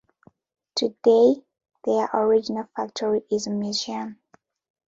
Today, their original factory is a museum.